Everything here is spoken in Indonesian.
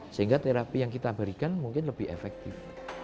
sehingga terapi yang kita berikan mungkin lebih efektif